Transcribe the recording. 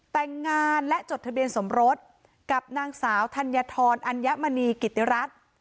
แต่งงานและจดทะเบียนสมรสกับนางสาวธัญฑรอัญมณีกิติรัฐ